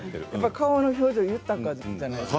顔の表情、豊かじゃないですか。